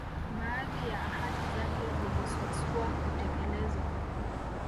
Baadhi ya ahadi zake zilisuasua kutekelezwa